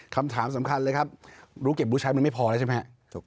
คำถามสำคัญเลยครับรู้เก็บรู้ใช้มันไม่พอแล้วใช่ไหมครับ